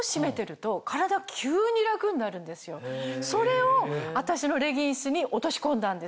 それを私のレギンスに落とし込んだんです。